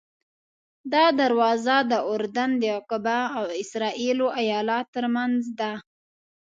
دا دروازه د اردن د عقبه او اسرائیلو ایلات ترمنځ ده.